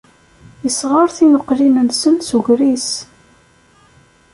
Isɣer tineqlin-nsen s ugris.